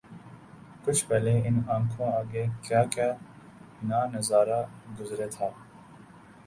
کچھ پہلے ان آنکھوں آگے کیا کیا نہ نظارا گزرے تھا